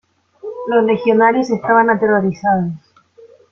Los legionarios estaban aterrorizados.